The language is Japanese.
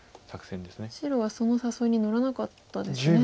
白はその誘いに乗らなかったですね。